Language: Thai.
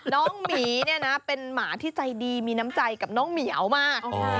หมีเนี่ยนะเป็นหมาที่ใจดีมีน้ำใจกับน้องเหมียวมาก